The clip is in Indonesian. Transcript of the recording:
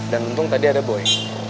dan untung tadi ada boy